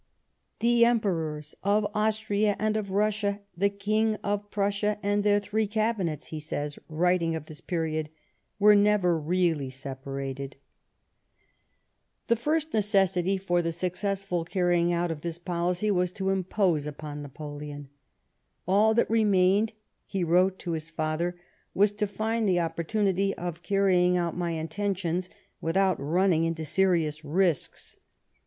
"The Emperors of Austria and of Russia, the King of Prussia, and their three cabinets," he says, \writing of this period, " were never really separated." a 82 LIFE OF PBINCE METTEBNICE. The first necessity for the successful carrying" out of this policy was to impose upon Napoleon. " All that re mained," he wrote to his father, *' was to find the oppor tunity of carrying out my intentions without running any serious risks."